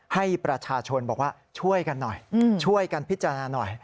ให้ประชาชนบอกว่าช่วยกันหน่อยช่วยกันพิจารณาหน่อย